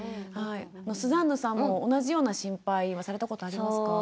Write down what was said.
スザンヌさんも同じような心配はされたことありますか？